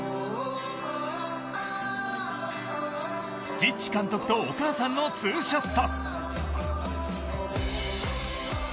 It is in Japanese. チッチ監督とお母さんのツーショット。